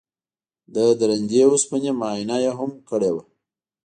د درندې وسپنې معاینه یې هم کړې وه